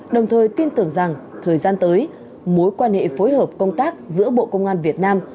đồng thời tin tưởng rằng thời gian tới mối quan hệ phối hợp công tác giữa bộ công an việt nam